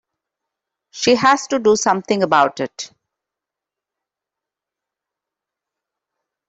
She has to do something about it.